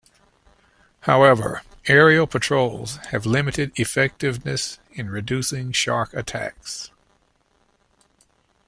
However aerial patrols have limited effectiveness in reducing shark attacks.